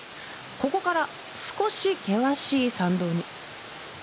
ここから少し険しい山道に。